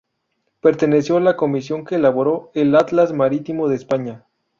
Perteneció a la comisión que elaboró el "Atlas marítimo de España".